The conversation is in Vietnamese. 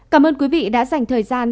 cảm ơn quý vị đã dành thời gian